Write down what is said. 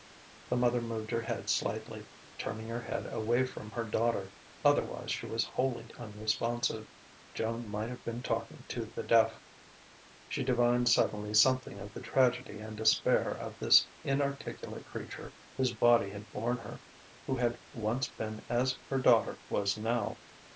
The mother moved her head slightly, turning her face away from her daughter. Otherwise she was wholly unresponsive. Joan might have been talking to the deaf. She divined suddenly something of the tragedy and despair of this inarticulate creature whose body had borne her, who had once been as her daughter was now.